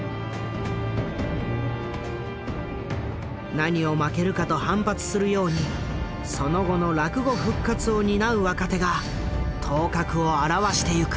何を負けるかと反発するようにその後の落語復活を担う若手が頭角を現していく。